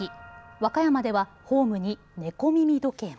和歌山ではホームに猫耳時計も。